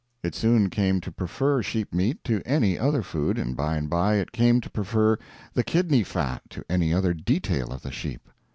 It soon came to prefer sheep meat to any other food, and by and by it came to prefer the kidney fat to any other detail of the sheep.